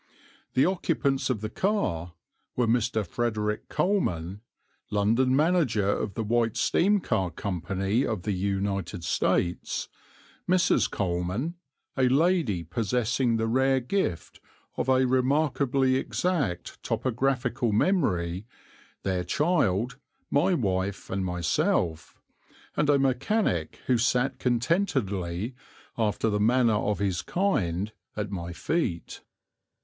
The occupants of the car were Mr. Frederick Coleman, London manager of the White Steam Car Company of the United States; Mrs. Coleman, a lady possessing the rare gift of a remarkably exact topographical memory; their child, my wife and myself, and a mechanic who sat contentedly, after the manner of his kind, at my feet.